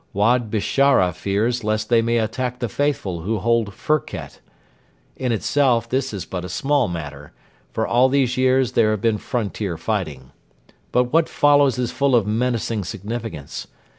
Wad Bishara fears lest they may attack the faithful who hold Firket. In itself this is but a small matter, for all these years there has been frontier fighting. But what follows is full of menacing significance.